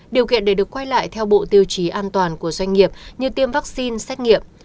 điều kiện để được quay lại theo bộ tiêu chí an toàn của doanh nghiệp như tiêm vaccine xét nghiệm